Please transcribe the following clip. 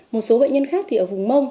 một số bệnh nhân khác thì ở vùng mông